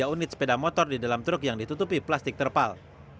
tiga unit sepeda motor di dalam truk yang ditutupi plastik terpal